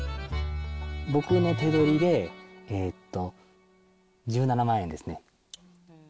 僕の手取りで１７万円ですね。